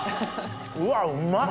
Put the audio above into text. うわうんまっ！